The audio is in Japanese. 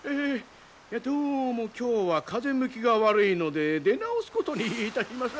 どうも今日は風向きが悪いので出直すことにいたします。